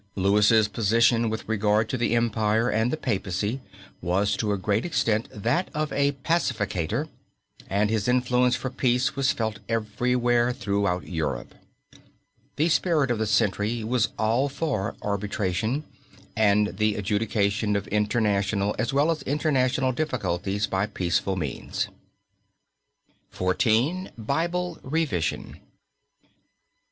Louis' position with regard to the Empire and the Papacy was to a great extent that of a pacificator, and his influence for peace was felt everywhere throughout Europe. The spirit of the century was all for arbitration and the adjudication of intranational as well as international difficulties by peaceful means. XIV. BIBLE REVISION.